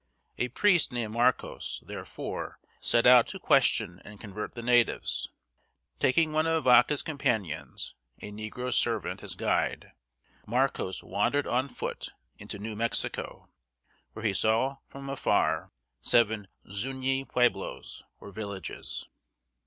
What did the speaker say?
A priest named Mar´cōs therefore set out to question and convert the natives. Taking one of Vaca's companions, a negro servant, as guide, Marcos wandered on foot into New Mexico, where he saw from afar seven Zuñi (zoo´nyee) pueblos, or villages.